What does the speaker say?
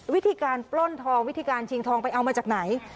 วิธีการปล้นทองวิธีการชิงทองไปเอามาจากไหน